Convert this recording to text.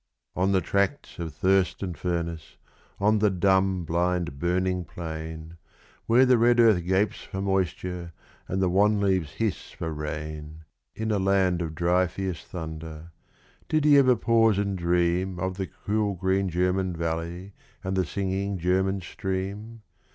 On the tracts of thirst and furnace on the dumb, blind, burning plain, Where the red earth gapes for moisture, and the wan leaves hiss for rain, In a land of dry, fierce thunder, did he ever pause and dream Of the cool green German valley and the singing German stream?